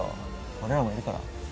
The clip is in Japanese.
俺らもいるから。